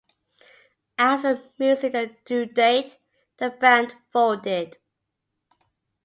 After missing the due date, the band folded.